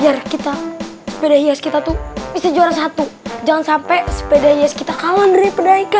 biar kita sepeda hias kita tuh bisa juara satu jangan sampai sepeda hias kita kalah dari pendai ke